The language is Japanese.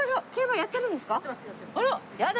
やだ！